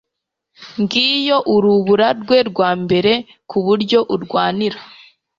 ngiyo urubura rwe rwa mbere kuburyo arwanira